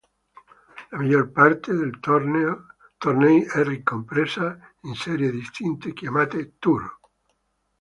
La maggior parte dei tornei è ricompresa in serie distinte chiamate tour.